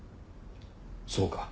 そうか。